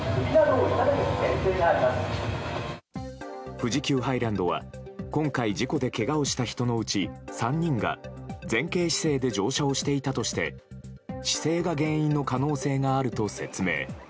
富士急ハイランドは今回事故でけがをした人のうち３にが前傾姿勢で乗車をしていたとして姿勢が原因の可能性があると説明。